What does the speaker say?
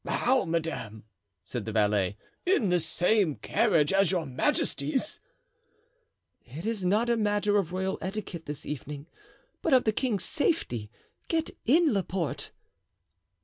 "How, madame!" said the valet, "in the same carriage as your majesties?" "It is not a matter of royal etiquette this evening, but of the king's safety. Get in, Laporte."